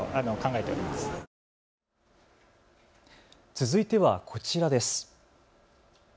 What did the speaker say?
続いてはこちらです。